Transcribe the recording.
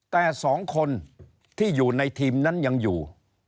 แต่๒คนที่อยู่ในทีมนั้นยังอยู่